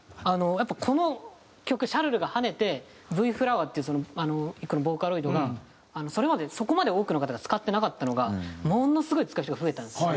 やっぱこの曲『シャルル』が跳ねてｖｆｌｏｗｅｒっていうボーカロイドがそれまでそこまで多くの方が使ってなかったのがものすごい使う人が増えたんですよ。